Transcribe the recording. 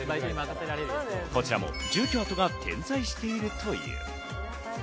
こちらも住居跡が点在しているという。